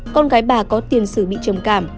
con gái bà có tiền xử bị trầm cảm